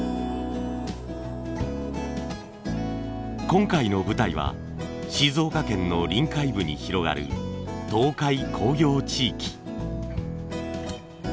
今回の舞台は静岡県の臨海部に広がる東海工業地域。